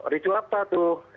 ricu apa tuh